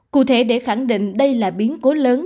cụ thể để khẳng định đây là biến cố lớn